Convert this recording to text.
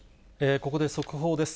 ここで速報です。